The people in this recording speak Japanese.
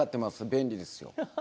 便利ですよ。